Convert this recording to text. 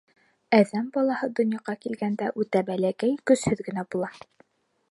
Әҙәм балаһы донъяға килгәндә үтә бәләкәй, көсһөҙ генә була.